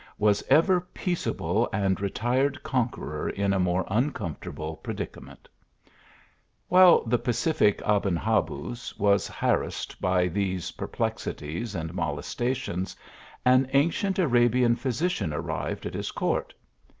Was ever peaceable and retired conqueror in a more uncomfortable predica ment ! While the pacific Aben Habuz was harassed by these perplexities and molestations, an ancient Arabian physician arrived at his court.